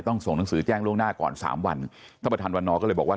ส่งหนังสือแจ้งล่วงหน้าก่อนสามวันท่านประธานวันนอก็เลยบอกว่า